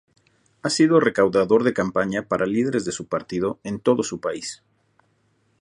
Ha sido recaudador de campaña para líderes de su partido en todo su país.